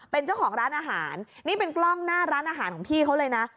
เป็นเจ้าของร้านอาหารนี่เป็นกล้องหน้าร้านอาหารของพี่เขาเลยนะ